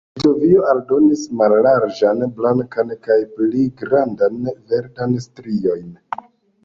Litovio aldonis mallarĝan blankan kaj pli grandan verdan striojn.